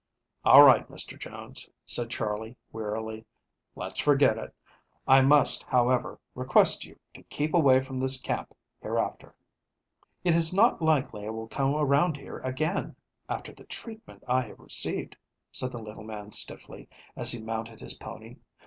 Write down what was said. "All right, Mr. Jones," said Charley, wearily. "Let's forget it. I must, however, request you to keep away from this camp hereafter." "It is not likely I will come around here again, after the treatment I have received," said the little man stiffly, as he mounted his pony.